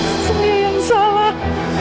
sebenarnya yang salah